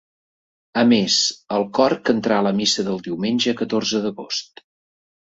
A més, el cor cantarà la missa del diumenge catorze d’agost.